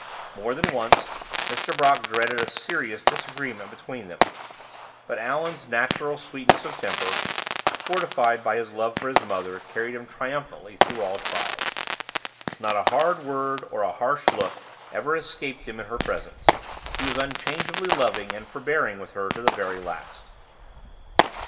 More than once Mr. Brock dreaded a serious disagreement between them; but Allan's natural sweetness of temper, fortified by his love for his mother, carried him triumphantly through all trials. Not a hard word or a harsh look ever escaped him in her presence; he was unchangeably loving and forbearing with her to the very last.